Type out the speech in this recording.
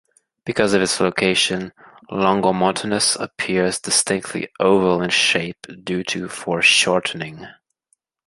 Because of its location, Longomontanus appears distinctly oval in shape due to foreshortening.